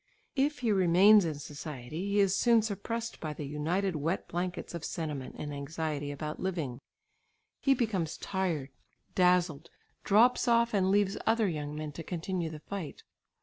If he remains in society, he is soon suppressed by the united wet blankets of sentiment and anxiety about living; he becomes tired, dazzled, drops off and leaves other young men to continue the fight.